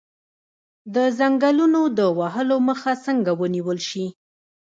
د ځنګلونو د وهلو مخه څنګه ونیول شي؟